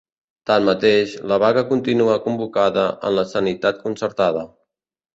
Tanmateix, la vaga continua convocada en la sanitat concertada.